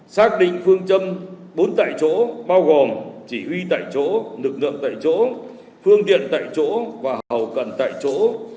xác định phương châm bốn tại chỗ bao gồm chỉ huy tại chỗ lực lượng tại chỗ phương tiện tại chỗ và hậu cần tại chỗ